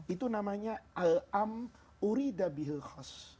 itu namanya al am uridah bilkhas